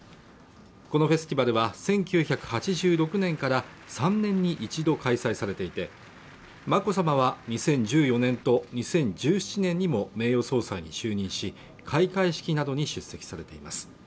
このフェスティバルは１９８６年から３年に一度開催されていて眞子さまは２０１４年と２０１７年にも名誉総裁に就任し開会式などに出席されています